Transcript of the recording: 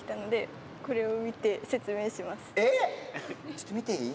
ちょっと見ていい？